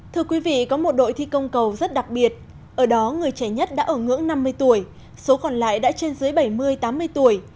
thưa quý vị có một đội thi công cầu rất đặc biệt ở đó người trẻ nhất đã ở ngưỡng năm mươi tuổi số còn lại đã trên dưới bảy mươi tám mươi tuổi